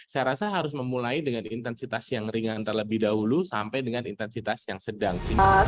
saya rasa harus memulai dengan intensitas yang ringan terlebih dahulu sampai dengan intensitas yang sedang